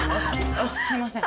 あっすいません。